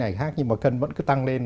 vẫn kiêng ăn nhưng mà cân vẫn cứ tăng lên